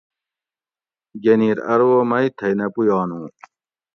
گنیر ارو مئ تھئ نہ پُیانو